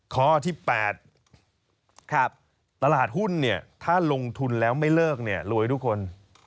ข้อที่๘ตลาดหุ้นเนี่ยถ้าลงทุนแล้วไม่เลิกเนี่ยรวยทุกคน